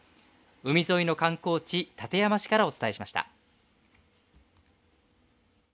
海沿いの観光地、館山市からお伝えしました。